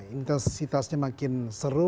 intensitasnya makin seru